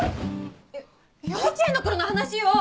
えぇ⁉よ幼稚園の頃の話よ！